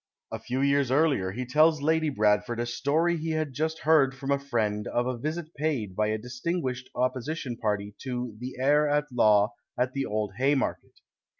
A few years earlier he tells Lady Bradford a story he had just heard from a friend of a visit paid by a distinguished Opposition party to The Heir at Law at the old Hay market.